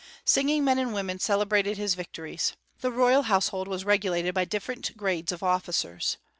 Singing men and women celebrated his victories. The royal household was regulated by different grades of officers.